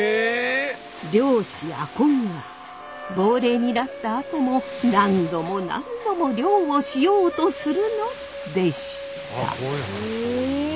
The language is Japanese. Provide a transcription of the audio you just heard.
漁師阿漕は亡霊になったあとも何度も何度も漁をしようとするのでした。